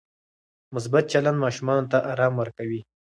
مثبت چلند ماشوم ته ارام ورکوي.